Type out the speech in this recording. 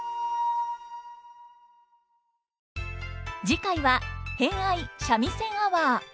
次回は「偏愛三味線アワー」。